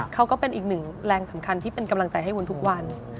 ก็เป็นอีกหนึ่งแรงสำคัญที่เป็นกำลังใจให้วุ้นทุกวัน